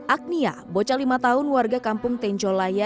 agnia bocah lima tahun warga kampung tenjolaya